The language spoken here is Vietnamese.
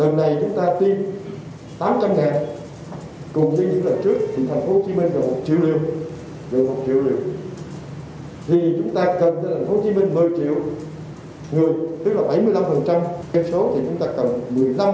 lần này chúng ta tiêm tám trăm linh cùng với những lần trước thì tp hcm được một triệu liều